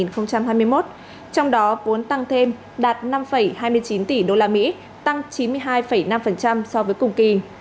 trong đó vốn tăng thêm đạt năm hai mươi chín tỷ usd tăng chín mươi hai năm so với cùng kỳ